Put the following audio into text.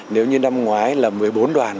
nếu như năm ngoái là một mươi bốn đoàn